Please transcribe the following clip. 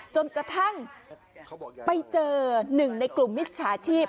จนกระทั่งไปเจอหนึ่งในกลุ่มมิจฉาชีพ